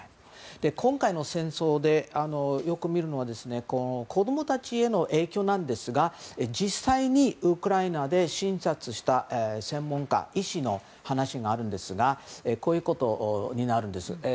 今回の戦争でよく見るのは子供たちへの影響なんですが実際にウクライナで診察した医師の話があるんですがこういうことになるんです。